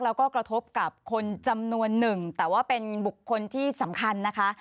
แล้วก็กระทบกับคนจำนวนหนึ่งแต่ว่าเป็นบุคคลที่สำคัญนะคะ